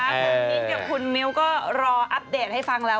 เดี๋ยวคุณมิวก็รออัปเดตให้ฟังแล้ว